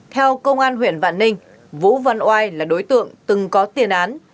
theo công an huyện vạn ninh vũ văn oai là đối tượng từng có tiền án